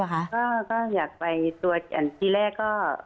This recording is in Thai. อยากไปที่แรก